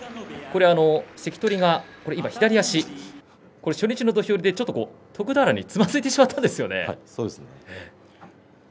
関取が、左足初日の土俵入りで徳俵につまずいてしまったんですよね。